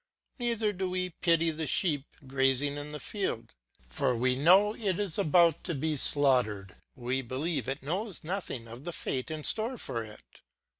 Neither do we pity the sheep grazing in the field, though we know it is about to be slaughtered, for we believe it knows nothing of the fate in store for it.